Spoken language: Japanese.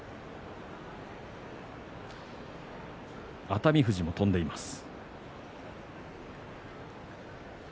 熱海富士も飛んでいます。